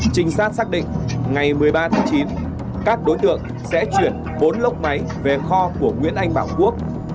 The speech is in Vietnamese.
trinh sát xác định ngày một mươi ba tháng chín các đối tượng sẽ chuyển bốn lốc máy về kho của nguyễn anh bảo quốc